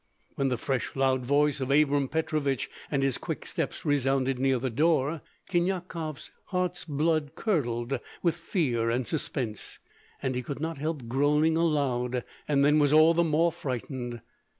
When the fresh loud voice of Abram Petrovich and his quick steps resounded near the door, Khinyakov"s heart's blood curdled with fear and suspense, and he could not help groaning aloud, and then was all the more frightened.